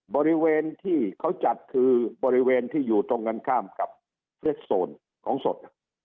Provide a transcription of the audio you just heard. บริเวณที่เขาจัดคือบริเวณที่อยู่ตรงกันข้ามกับเฟรดโซนของสด